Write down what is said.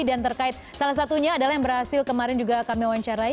dan terkait salah satunya adalah yang berhasil kemarin juga kami wawancarai